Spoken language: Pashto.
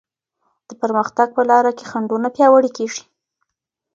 د پرمختګ په لاره کي خنډونه پیاوړې کيږي.